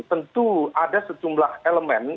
tentu ada sejumlah elemen